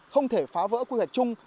không thể phá vỡ quy hoạch chung